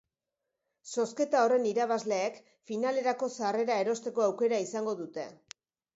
Zozketa horren irabazleek finalerako sarrera erosteko aukera izango dute.